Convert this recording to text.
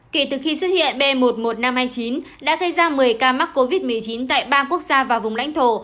kể từ khi xuất hiện b một mươi một nghìn năm trăm hai mươi chín đã gây ra một mươi ca mắc covid một mươi chín tại ba quốc gia và vùng lãnh thổ